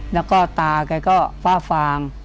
แล้วก็ตาแกก็ฟ้าฟาง